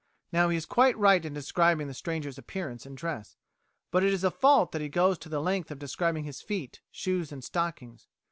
Now he is quite right in describing the stranger's appearance and dress, but it is a fault that he goes to the length of describing his feet, shoes and stockings.